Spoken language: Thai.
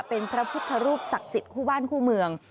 เป็นพระพุทธรูปศักดิ์สิทธิ์คู่บ้านคู่เมือง